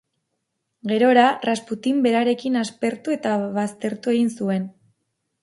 Gerora, Rasputin berarekin aspertu eta baztertu egin zuen.